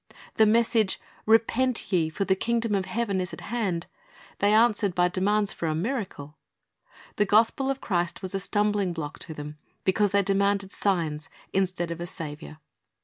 The message, "Repent ye; for the kingdom of heaven is at hand," ' they answered by demands for a miracle. The gospel of Christ was a stumbling block to them because they demanded signs instead of a Saviour.